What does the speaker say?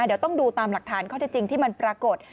เดี๋ยวต้องดูตามหลักฐานข้อที่จริงที่มันปรากฏ